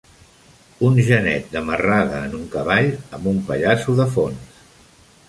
Un genet de marrada en un cavall amb un pallasso de fons.